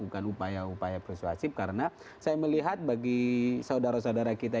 dan juga upaya persuasif karena saya melihat bagi saudara saudara kita